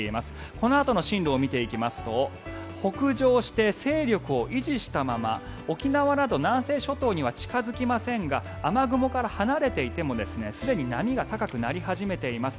このあとの進路を見ていきますと北上して、勢力を維持したまま沖縄など南西諸島には近付きませんが雨雲から離れていても、すでに波が高くなり始めています。